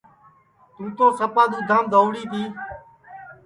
تُوں تو سپا دُؔؔودھام دہؤڑی تی